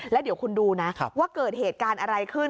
แล้วเดี๋ยวคุณดูนะว่าเกิดเหตุการณ์อะไรขึ้น